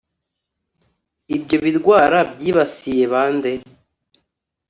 ibyo birwara byibasiye ba nde?